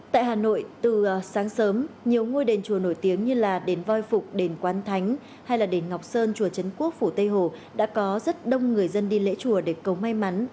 tại hà nội từ sáng sớm nhiều ngôi đền chùa nổi tiếng như là đền voi phục đền quán thánh hay là đền ngọc sơn chùa trấn quốc phủ tây hồ đã có rất đông người dân đi lễ chùa để cầu may mắn